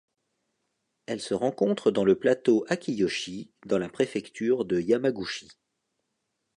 Elle se rencontre dans le plateau Akiyoshi dans la préfecture de Yamaguchi.